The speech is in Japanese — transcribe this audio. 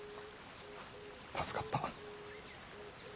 助かった。